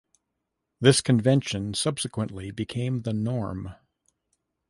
This convention subsequently became the norm.